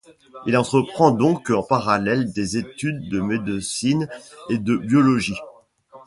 Il entreprend donc en parallèle des études de médecine et de biologie.